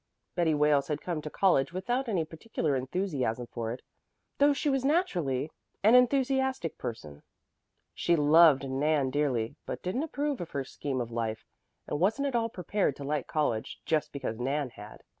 Betty Wales had come to college without any particular enthusiasm for it, though she was naturally an enthusiastic person. She loved Nan dearly, but didn't approve of her scheme of life, and wasn't at all prepared to like college just because Nan had.